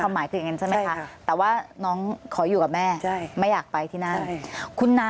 หมายคืออย่างนั้นใช่ไหมคะแต่ว่าน้องขออยู่กับแม่ไม่อยากไปที่นั่น